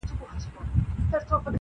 یا مېړونه بدل سوي یا اوښتي دي وختونه-